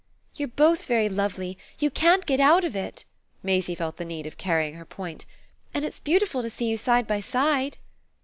"You're both very lovely; you can't get out of it!" Maisie felt the need of carrying her point. "And it's beautiful to see you side by side."